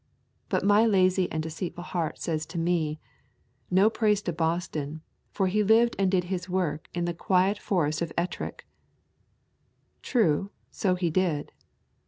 But my lazy and deceitful heart says to me: No praise to Boston, for he lived and did his work in the quiet Forest of Ettrick. True, so he did.